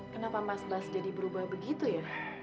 kenapa mas bas jadi berubah begitu ya